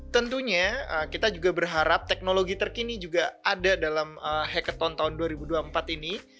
tentunya kita juga berharap teknologi terkini juga ada dalam hacket tone tahun dua ribu dua puluh empat ini